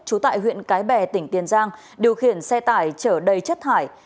chú tại huyện cái bè tỉnh tiên giang điều khiển xe tải trở đầy chất thải